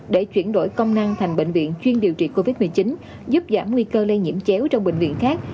để chuyển đổi công năng thành bệnh viện chuyên điều trị covid một mươi chín giúp giảm nguy cơ lây nhiễm chéo trong bệnh viện khác